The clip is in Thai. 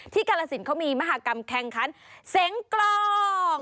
กาลสินเขามีมหากรรมแข่งขันเสียงกลอง